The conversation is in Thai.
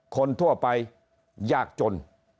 คนทั่วไปยากจน